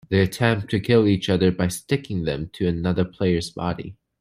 They attempt to kill each other by sticking them to another player's body.